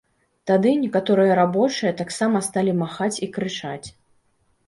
Тады некаторыя рабочыя таксама сталі махаць і крычаць.